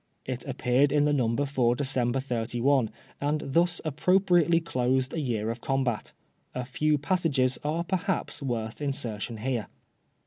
It appeared in the number for December 31, and thus appropriately closed a year of combat. A few passages are, perhaps, worth insertion here.